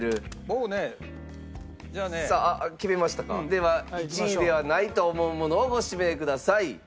では１位ではないと思うものをご指名ください。